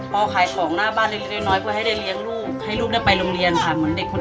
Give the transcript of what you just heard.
พอขายของหน้าบ้านเล็กน้อยเพื่อให้ได้เลี้ยงลูก